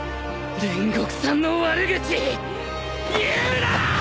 煉獄さんの悪口言うなー！！